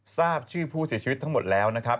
ทราบชื่อผู้เสียชีวิตทั้งหมดแล้วนะครับ